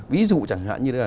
ví dụ chẳng hạn như là